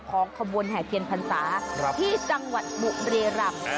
ของขบวนแห่เทียนพรรษาที่จังหวัดบุรีรำ